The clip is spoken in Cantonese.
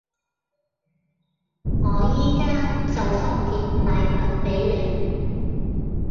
我依家就送件禮物畀你